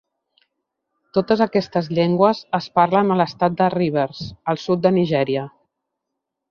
Totes aquestes llengües es parlen a l'estat de Rivers, al sud de Nigèria.